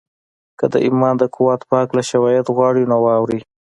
که د ایمان د قوت په هکله شواهد غواړئ نو واورئ